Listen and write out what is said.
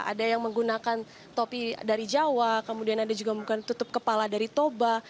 ada yang menggunakan topi dari jawa kemudian ada juga menggunakan tutup kepala dari toba